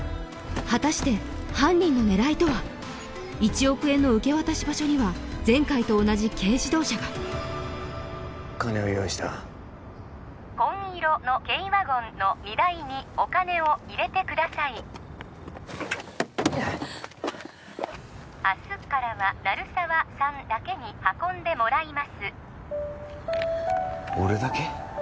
果たして１億円の受け渡し場所には前回と同じ軽自動車が金は用意した紺色の軽ワゴンの荷台にお金を入れてください明日からは鳴沢さんだけに運んでもらいます俺だけ？